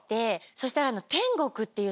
そしたら。